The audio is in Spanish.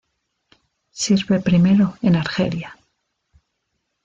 Sirve primero en Argelia.